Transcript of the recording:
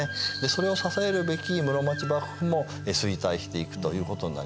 それを支えるべき室町幕府も衰退していくということになります。